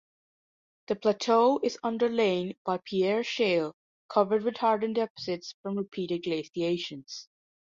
The plateau is underlain by Pierre shale covered with hardened deposits from repeated glaciations.